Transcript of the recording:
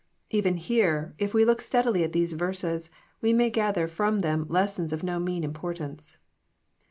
Even here, if we look steadily at these verses, we may gather from them lessons of no mean importance.